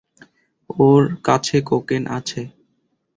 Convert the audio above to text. ওর কাছে কোকেন আছে।